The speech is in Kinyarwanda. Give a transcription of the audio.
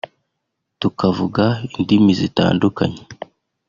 tukavuga indimi zitandukanye